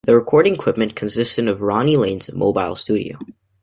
The recording equipment consisted of Ronnie Lane's Mobile Studio.